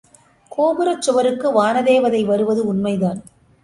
கோபுரச் சுவருக்கு வான தேவதை வருவது உண்மைதான்.